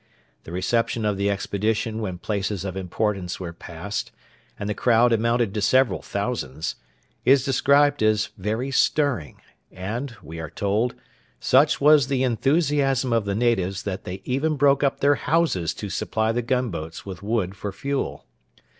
The reception of the expedition when places of importance were passed, and the crowd amounted to several thousands, is described as very stirring, and, we are told, such was the enthusiasm of the natives that they even broke up their houses to supply the gunboats with wood for fuel.